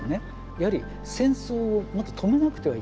やはり戦争をもっと止めなくてはいけない。